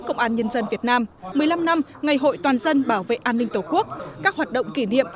công an nhân dân việt nam một mươi năm năm ngày hội toàn dân bảo vệ an ninh tổ quốc các hoạt động kỷ niệm